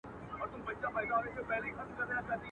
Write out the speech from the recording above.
نه حیا له رقیبانو نه سیالانو.